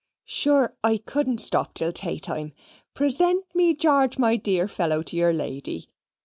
"Sure, I couldn't stop till tay time. Present me, Garge, my dear fellow, to your lady.